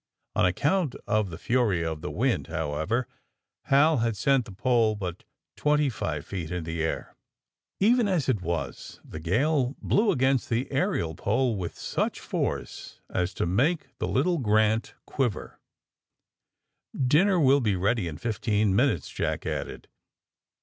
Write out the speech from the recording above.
On account of the fury of the wind, how ever, Hal had sent the pole but twenty five feet in the air. Even as it was the gale blew against the aerial pole with such force as to make the little ^' Grant" cjuiver. ^^ Dinner will be ready in fifteen minutes," Jack added.